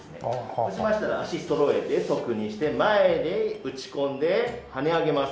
そうしましたら足そろえて束にして前に打ち込んではね上げます。